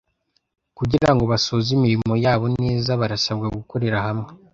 kugira ngo basoze imirimo yabo neza barasabwa gukorera hamwe